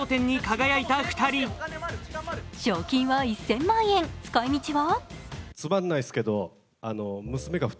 賞金は１０００万円、使いみちは？